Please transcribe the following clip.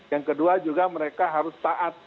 yang kedua juga mereka harus taat